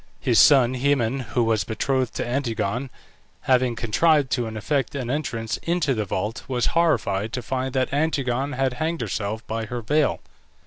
His son, Haemon, who was betrothed to Antigone, having contrived to effect an entrance into the vault, was horrified to find that Antigone had hanged herself by her veil.